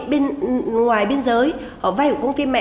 bên ngoài biên giới họ vay của công ty mẹ